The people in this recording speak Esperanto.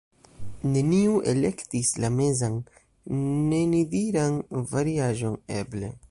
neniu elektis la mezan, nenidiran variaĵon "eble".